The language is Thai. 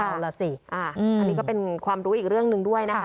อันนี้ก็เป็นความรู้อีกเรื่องนึงด้วยนะคะ